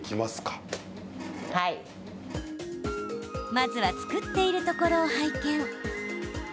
まずは、作っているところを拝見。